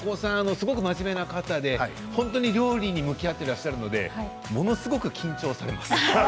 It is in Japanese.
すごく真面目な方で本当に料理に向き合っていらっしゃるのでものすごく緊張されます。